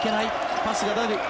パスが出る。